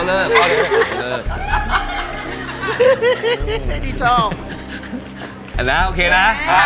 แบบนั้นโอเคนะ